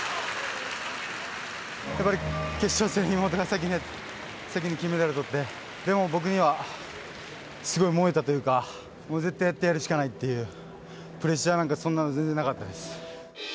やっぱり決勝戦、妹が先にやって、先に金メダルとって、でも僕には、すごい燃えたというか、もう絶対やってやるしかないっていう、プレッシャーなんか、そんなの全然なかったです。